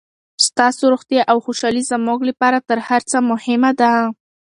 ستاسو روغتیا او خوشحالي زموږ لپاره تر هر څه مهمه ده.